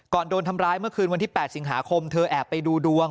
โดนทำร้ายเมื่อคืนวันที่๘สิงหาคมเธอแอบไปดูดวง